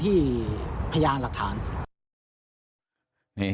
ที่พยานหลักฐาน